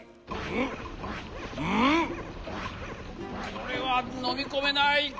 これはのみこめない。